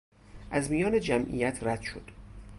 از میان جمعیت رد شد.